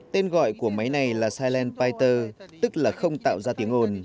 tên gọi của máy này là silent piter tức là không tạo ra tiếng ồn